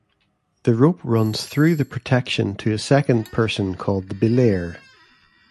The rope runs through the protection to a second person called the belayer.